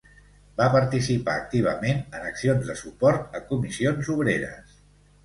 Va participar activament en accions de suport a Comissions Obreres.